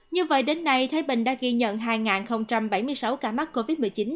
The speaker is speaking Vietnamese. như vậy đến nay thái bình đã ghi nhận hai bảy mươi sáu ca mắc covid một mươi chín